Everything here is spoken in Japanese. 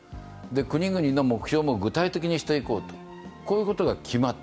国々の目標も具体的にしていこう、こういうことが決まった。